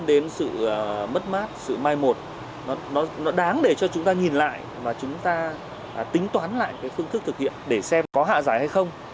đến sự mất mát sự mai một nó đáng để cho chúng ta nhìn lại mà chúng ta tính toán lại cái phương thức thực hiện để xem có hạ giải hay không